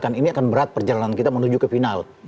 kan ini akan berat perjalanan kita menuju ke final